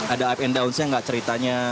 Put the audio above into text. ada up and downs nya enggak ceritanya